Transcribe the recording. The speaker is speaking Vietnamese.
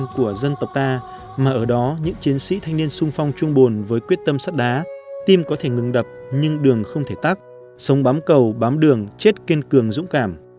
trong lịch sử đấu tranh của dân tộc ta mà ở đó những chiến sĩ thanh niên sung phong trung bồn với quyết tâm sắt đá tim có thể ngừng đập nhưng đường không thể tắt sống bám cầu bám đường chết kiên cường dũng cảm